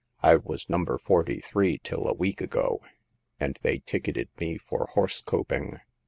I was Number Forty three till a week ago, and they ticketed me for horse coping.